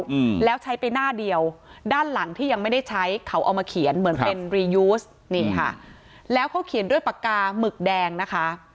อืมแล้วใช้ไปหน้าเดียวด้านหลังที่ยังไม่ได้ใช้เขาเอามาเขียนเหมือนเป็นรียูสนี่ค่ะแล้วเขาเขียนด้วยปากกาหมึกแดงนะคะ